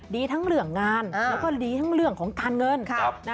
ดีทั้งเรื่องงานแล้วก็ดีทั้งเรื่องของการเงิน